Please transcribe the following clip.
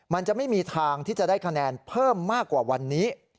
มันจะไม่มีทางที่จะได้คะแนนเพิ่มมากกว่าวันนี้